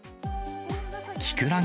きくらげ